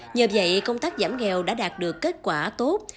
nhờ vậy công tác giảm nghèo đã đạt được kết quả tốt